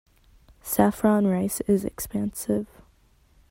Saffron rice is expensive.